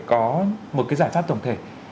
để có một cái giải pháp tổng thể